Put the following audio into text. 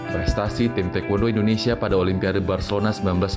prestasi tim taekwondo indonesia pada olimpiade barcelona seribu sembilan ratus sembilan puluh